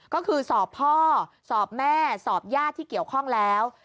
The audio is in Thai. ก็คือสอบพ่อสอบแม่สอบญาติที่เกี่ยวข้องแล้ว